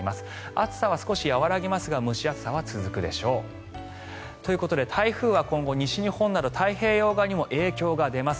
暑さは少し和らぎますが蒸し暑さは続くでしょう。ということで台風は今後西日本など太平洋側にも影響が出ます。